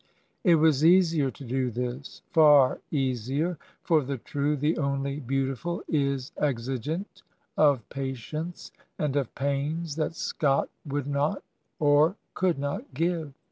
It was easier to do this, far easier; for the true, the only beautiful, is exigent of patience and of pains that Scott would not or could not give.